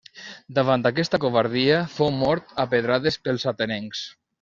Davant aquesta covardia, fou mort a pedrades pels atenencs.